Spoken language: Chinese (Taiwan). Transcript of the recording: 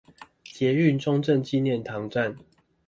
捷運中正紀念堂站